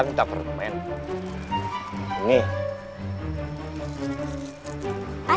bang pindah permennya dong